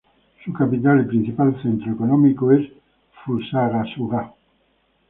Su capital y principal centro económico es Fusagasugá.